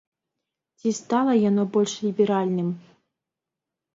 Ці стала яно больш ліберальным?